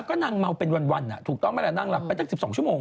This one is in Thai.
ก็นางเมาเป็นวันถูกต้องไหมล่ะนางหลับไปตั้ง๑๒ชั่วโมง